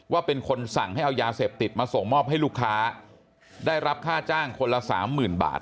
ว่าเป็นคนสั่งให้เอายาเสพติดมาส่งมอบให้ลูกค้าได้รับค่าจ้างคนละสามหมื่นบาท